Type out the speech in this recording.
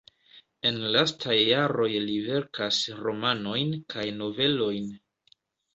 En lastaj jaroj li verkas romanojn kaj novelojn.